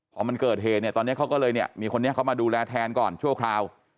พอมันเกิดเหตุเนี่ยตอนนี้เขาก็เลยเนี่ยมีคนนี้เขามาดูแลแทนก่อนชั่วคราว